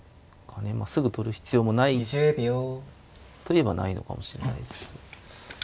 まあすぐ取る必要もないといえばないのかもしれないですけど。